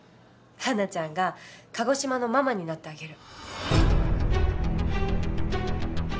花ちゃんが鹿児島のママになってあげる。